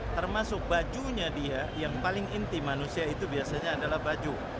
termasuk bajunya dia yang paling inti manusia itu biasanya adalah baju